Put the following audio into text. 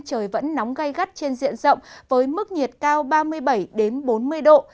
trời vẫn nóng gây gắt trên diện rộng với mức nhiệt cao ba mươi bảy bốn mươi độ